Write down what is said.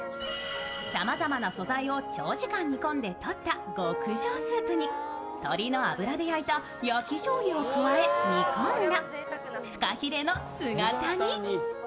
さまざまな素材を長時間煮込んでとった極上スープに鶏の脂で焼いた焼きじょうゆを加えて煮込んだふかひれの姿煮。